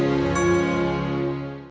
masih mengizinkan kita